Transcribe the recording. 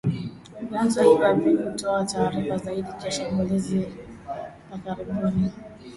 Vyanzo hivyo havikutoa taarifa zaidi juu ya shambulizi la karibuni